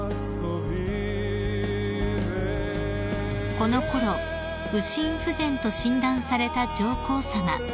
［このころ右心不全と診断された上皇さま］